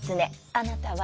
あなたは？」。